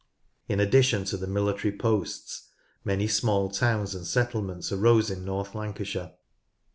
In addition to the military posts many small towns and settlements arose in North Lancashire.